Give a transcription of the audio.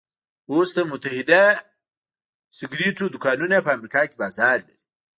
اوس د متحده سګرېټو دوکانونه په امريکا کې بازار لري.